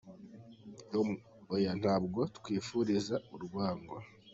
com : Oya ntabwo tukwifuriza urwango !.